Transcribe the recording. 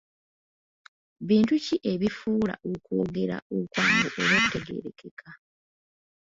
Bintu ki ebifuula okwogera okwangu oba okutegeerekeka?